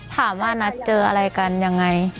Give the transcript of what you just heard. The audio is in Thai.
ถามว่านัดเจออะไรกันยังไง